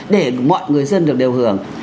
để mọi người dân được điều hưởng